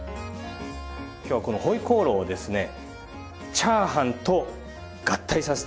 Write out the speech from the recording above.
今日はこの回鍋肉をですねチャーハンと合体させた料理ですね。